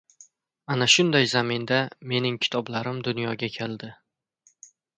Ana shunday zaminda mening kitoblarim dunyoga keldi.